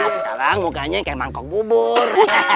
sekarang mukanya kayak mangkok bubur